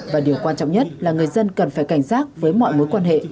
và điều quan trọng nhất là người dân cần phải cảnh giác với mọi mối quan hệ